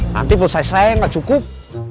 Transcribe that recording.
nanti perusahaan saya nggak cukup